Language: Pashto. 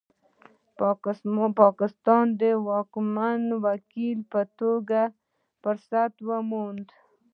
پاکستان د واکمن وکیل په توګه فرصت وموند.